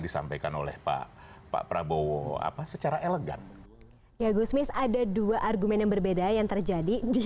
disampaikan oleh pak pak prabowo apa secara elegan ya gusmis ada dua argumen yang berbeda yang terjadi